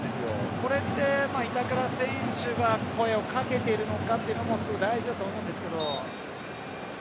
これって板倉選手が声を掛けているのかというの、ものすごい大事だと思うんですけど。